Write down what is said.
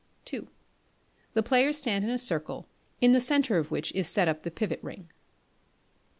ii. The players stand in a circle, in the centre of which is set up the pivot ring.